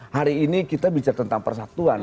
hari ini kita bicara tentang persatuan